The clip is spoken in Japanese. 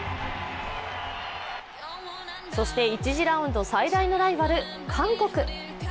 そして、１次ラウンド最大のライバル、韓国。